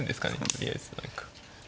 とりあえず何か。